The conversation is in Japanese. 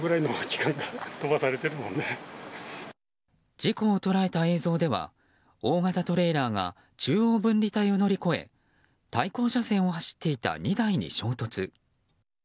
事故を捉えた映像では大型トレーラーが中央分離帯を乗り越え対向車線を走っていた２台に衝突。